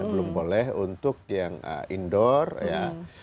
belum boleh untuk yang indoor ya